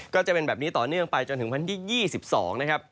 ก็จะเป็นแบบนี้ต่อเนื่องไปจนถึงพันธุ์ที่๒๒